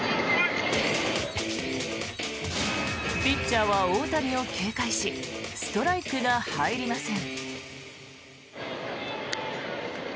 ピッチャーは大谷を警戒しストライクが入りません。